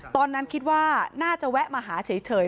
ตอนนั้นคิดว่าน่าจะแวะมาหาเฉย